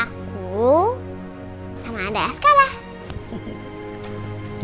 papa mama aku sama anda ya sekarang